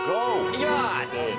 行きます！